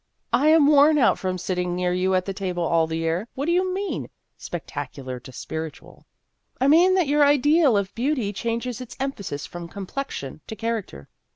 " I am worn out from sitting near you at the table all the year. What do you mean ? Spectacular to spiritual." " I mean that your ideal of beauty changes its emphasis from complexion to character."